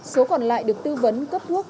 số còn lại được tư vấn cấp thuốc